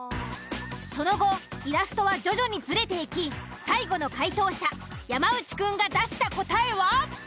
その後イラストは徐々にずれていき最後の解答者山内くんが出した答えは。